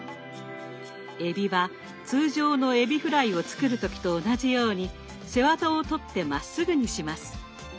えびは通常のえびフライを作る時と同じように背ワタを取ってまっすぐにします。